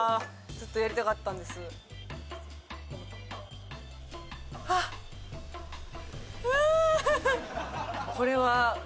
ずっとやりたかったんですあっああ